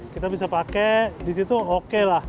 kita bisa pakai di situ oke lah